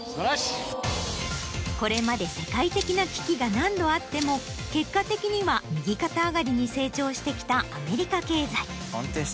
これまで世界的な危機が何度あっても結果的には右肩上がりに成長してきたアメリカ経済。